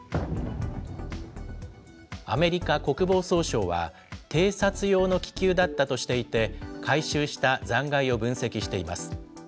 アメリカ国防総省は、偵察用の気球だったとしていて、回収した残骸を分析しています。